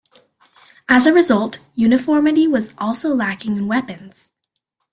As a result, uniformity was also lacking in weapons.